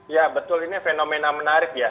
ya betul ini fenomena menarik ya